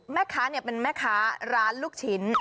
แม่ค้าเป็นแม่ค้าร้านลูกชิ้น